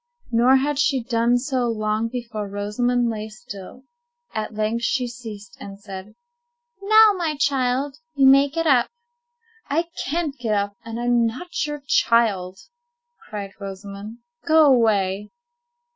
Nor had she done so long before Rosamond lay still. At length she ceased, and said:— "Now, my child, you may get up." "I can't get up, and I'm not your child," cried Rosamond. "Go away."